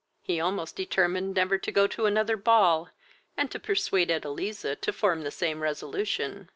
He almost determined never to go to another ball, and to persuade Edeliza to form the same resolution.